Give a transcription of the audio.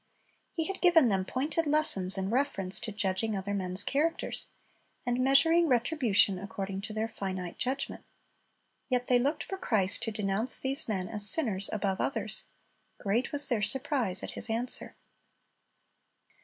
He had given them pointed lessons in reference to judging other men's characters, and measuring retribution according to their finite judgment. Yet they looked for Christ to denounce these men as sinners above others. Great was their surprise at His answer.